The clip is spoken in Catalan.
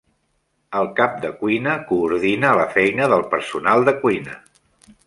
El cap de cuina coordina la feina del personal de cuina.